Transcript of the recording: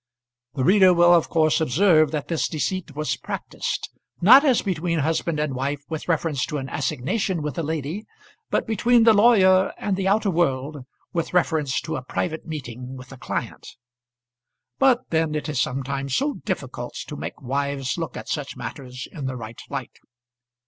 The reader will of course observe that this deceit was practised, not as between husband and wife with reference to an assignation with a lady, but between the lawyer and the outer world with reference to a private meeting with a client. But then it is sometimes so difficult to make wives look at such matters in the right light.